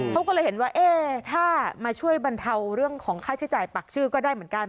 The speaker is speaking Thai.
เขาก็เลยเห็นว่าเอ๊ะถ้ามาช่วยบรรเทาเรื่องของค่าใช้จ่ายปักชื่อก็ได้เหมือนกัน